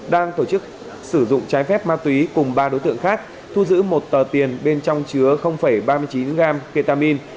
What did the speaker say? đang tổ chức sử dụng trái phép ma túy cùng ba đối tượng khác thu giữ một tờ tiền bên trong chứa ba mươi chín gram ketamine